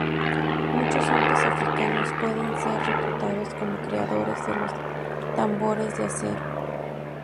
Muchos hombres africanos pueden ser reputados como creadores de los tambores de acero.